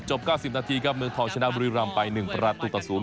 ๙๐นาทีครับเมืองทองชนะบุรีรำไป๑ประตูต่อ๐